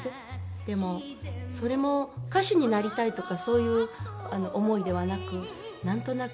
でもそれも歌手になりたいとかそういう思いではなくなんとなく。